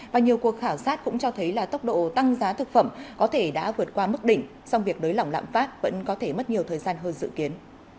và nhiều cuộc khảo sát cũng cho thấy là tốc độ tăng giá thực phẩm có thể đã vượt qua mức đỉnh song việc nới lỏng lạm phát vẫn có thể mất nhiều thời gian hơn dự kiến